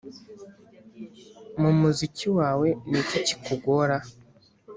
mu muziki wawe niki kikugora,